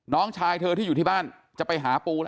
น้องชายเธอที่อยู่ที่บ้านจะไปหาปู